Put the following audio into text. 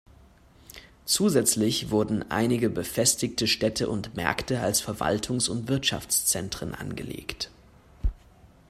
Zusätzlich wurden einige befestigte Städte und Märkte als Verwaltungs- und Wirtschaftszentren angelegt.